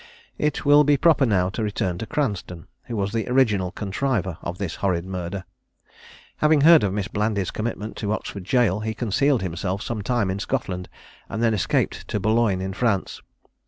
It will be proper now to return to Cranstoun, who was the original contriver of this horrid murder. Having heard of Miss Blandy's commitment to Oxford jail, he concealed himself some time in Scotland, and then escaped to Boulogne, in France.